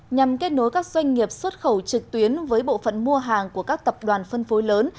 nhằm kết nối các doanh nghiệp xuất khẩu trực tuyến với bộ phận mua hàng của các tập đoàn phân phối lớn